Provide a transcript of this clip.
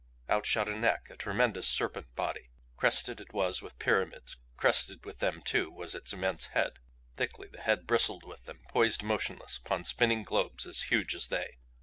Out shot a neck, a tremendous serpent body. Crested it was with pyramids; crested with them, too, was its immense head. Thickly the head bristled with them, poised motionless upon spinning globes as huge as they.